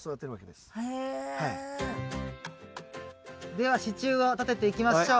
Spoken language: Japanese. では支柱を立てていきましょう。